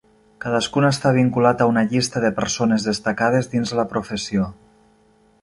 Cadascun està vinculat a una llista de persones destacades dins la professió.